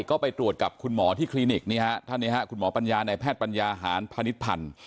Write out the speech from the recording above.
ก็ไปตรวจกับคุณหมอที่คลินิกท่านนี้ฮะคุณหมอปัญญาในแพทย์ปัญญาหารพนิษฐพันธ์